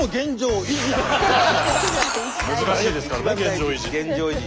難しいですからね現状維持。